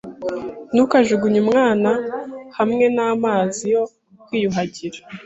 Ntukajugunye umwana hamwe namazi yo kwiyuhagira.